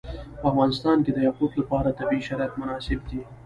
په افغانستان کې د یاقوت لپاره طبیعي شرایط مناسب دي.